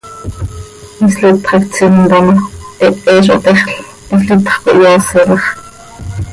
Hislitx hac tsimta ma, hehe zo htexl, hislitx cohyooselax.